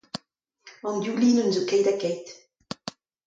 An div linenn a zo keit-ha-keit